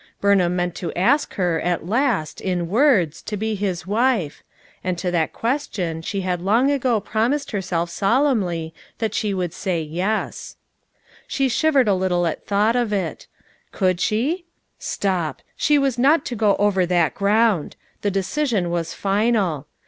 Burnham meant to ask her, at last, in words, to be his wife ; and to that question she had long 305 3G6 FOUR MOTHERS AT CHAUTAUQUA ago promised herself solemnly that she would say "ves." She shivered a little at thought of it. Could she? Stop! she was not to go over that ground; the decision was final.